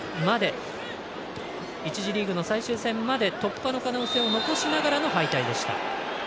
１次リーグの最終戦まで突破の可能性を残しながらの敗退でした。